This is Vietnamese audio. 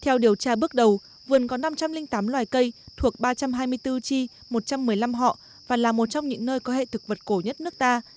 theo điều tra bước đầu vườn có năm trăm linh tám loài cây thuộc ba trăm hai mươi bốn chi một trăm một mươi năm họ và là một trong những nơi có hệ thực vật cổ nhất nước ta